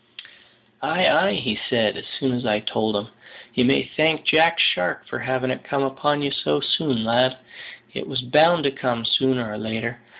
"Ay, ay!" said he, as soon as I had told him, "you may thank `Jack Shark' for having it come upon ye so soon, lad; it was bound to come sooner or later.